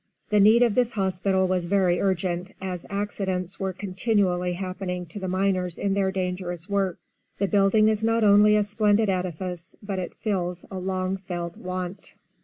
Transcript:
The need of this hospital was very urgent, as accidents were continually happening to the miners in their dangerous work. The building is not only a splendid edifice but it fills a long felt want.